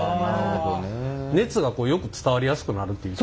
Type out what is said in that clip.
熱がよく伝わりやすくなるっていう。